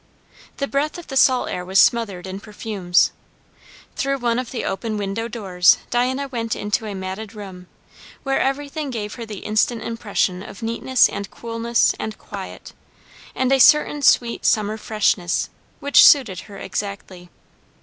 The breath of the salt air was smothered in perfumes. Through one of the open window doors Diana went into a matted room, where everything gave her the instant impression of neatness and coolness and quiet, and a certain sweet summer freshness, which suited her exactly.